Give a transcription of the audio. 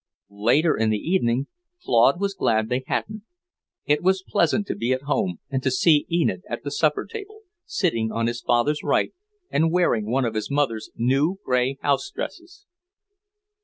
Later in the evening Claude was glad they hadn't. It was pleasant to be at home and to see Enid at the supper table, sitting on his father's right and wearing one of his mother's new grey house dresses.